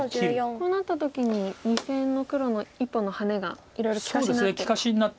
こうなった時に２線の黒の１本のハネがいろいろ利かしになって。